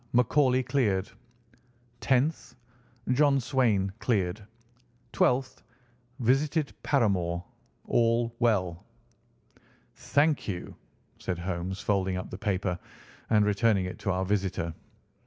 McCauley cleared. "10th. John Swain cleared. "12th. Visited Paramore. All well." "Thank you!" said Holmes, folding up the paper and returning it to our visitor.